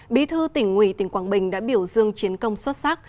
bí thư tỉnh ủy tỉnh quảng bình đã biểu dương chiến công xuất sắc